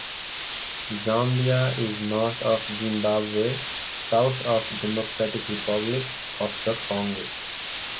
Zambia is north of Zimbabwe, South of Democratic Republic of the Congo.